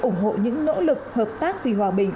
ủng hộ những nỗ lực hợp tác vì hòa bình